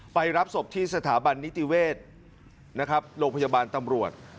รับศพที่สถาบันนิติเวศนะครับโรงพยาบาลตำรวจ